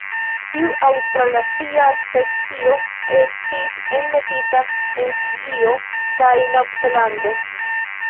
Tiu aŭstralazia specio estis enmetita en Fiĝio kaj Novzelando.